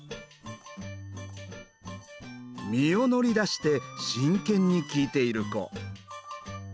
身を乗り出して真剣に聞いている子。